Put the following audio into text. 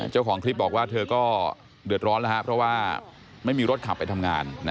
เจ้าของคลิปบอกว่าเธอก็เดือดร้อนแล้วครับเพราะว่าไม่มีรถขับไปทำงาน